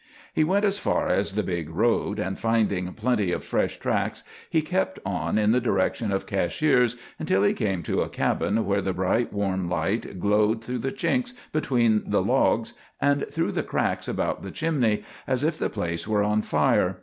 He went as far as the big road, and finding plenty of fresh tracks, he kept on in the direction of Cashiers until he came to a cabin where the bright warm light glowed through the chinks between the logs and through the cracks about the chimney as if the place were on fire.